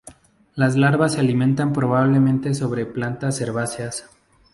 Las larvas se alimentan probablemente sobre plantas herbáceas.